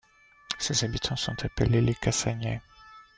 Ses habitants sont appelés les Cassagnais.